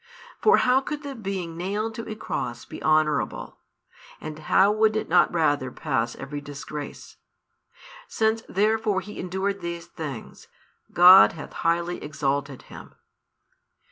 For how could the being nailed to a cross be honourable, and how would it not rather pass every disgrace? Since therefore He endured these things, God hath highly exalted Him.